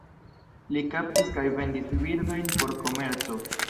Li kaptis kaj vendis birdojn por komerco.